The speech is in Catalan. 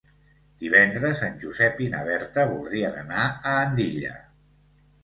Divendres en Josep i na Berta voldrien anar a Andilla.